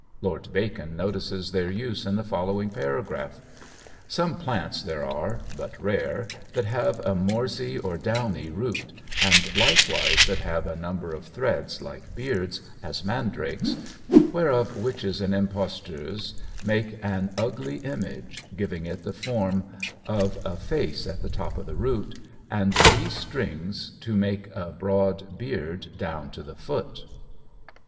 Lord Bacon notices their use in the following paragraph "Some plants there are, but rare, that have a morsie or downie root, and likewise that have a number of threads like beards, as mandrakes, whereof witches and impostours make an ugly image, giving it the form of a face at the top of the root, and these strings to make a broad beard down to the foot."